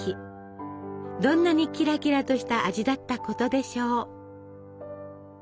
どんなにキラキラとした味だったことでしょう！